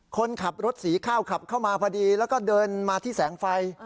คนขับรถสีข้าวขับเข้ามาพอดีแล้วก็เดินมาที่แสงไฟ